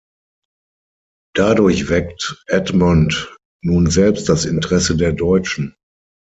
Dadurch weckt Edmond nun selbst das Interesse der Deutschen.